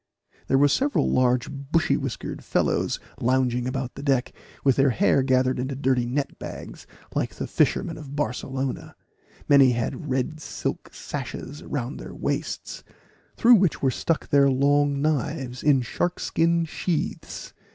There were several large bushy whiskered fellows lounging about the deck, with their hair gathered into dirty net bags, like the fishermen of Barcelona; many had red silk sashes round their waists, through which were stuck their long knives, in shark skin sheaths.